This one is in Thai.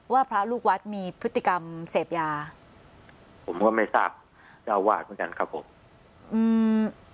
พระลูกวัดมีพฤติกรรมเสพยาผมก็ไม่ทราบเจ้าวาดเหมือนกันครับผมอืม